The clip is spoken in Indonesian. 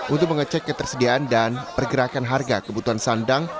untuk mengecek ketersediaan dan pergerakan harga kebutuhan sandang